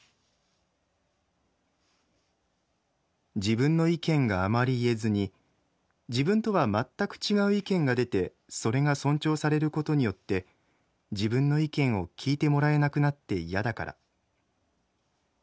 自分の意見があまり言えずに自分とは全く違う意見が出てそれが尊重されることによって自分の意見を聞いてもらえなくなっていやだからみんなの意見を聞けば争いはなく笑顔で暮らせるから」。